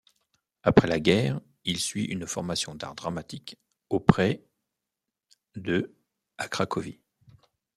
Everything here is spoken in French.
Après la guerre, il suit une formation d'art dramatique auprès d' à Cracovie.